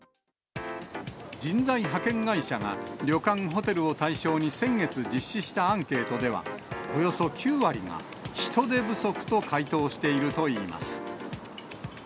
人材派遣会社が、旅館、ホテルを対象に先月実施したアンケートでは、およそ９割が人手不足と回答しているといいます。